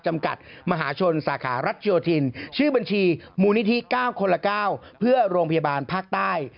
จำกัดมหาชนสาขารัชโยธินชื่อบัญชีมูลนิธิ๙คนละ๙เพื่อโรงพยาบาลภาคใต้